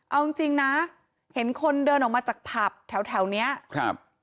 เอาจริงจริงนะเห็นคนเดินออกมาจากผับแถวแถวเนี้ยครับ